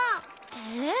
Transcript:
えっ！？